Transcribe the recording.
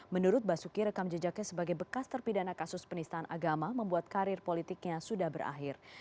menurut basuki rekam jejaknya sebagai bekas terpidana kasus penistaan agama membuat karir politiknya sudah berakhir